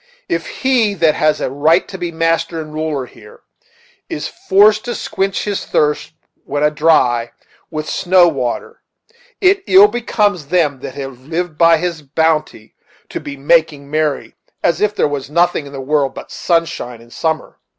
If he that has a right to be master and ruler here is forced to squinch his thirst, when a dry, with snow Water, it ill becomes them that have lived by his bounty to be making merry, as if there was nothing in the world but sunshine and summer."